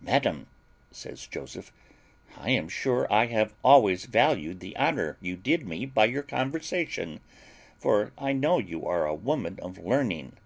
"Madam," says Joseph, "I am sure I have always valued the honour you did me by your conversation, for I know you are a woman of learning."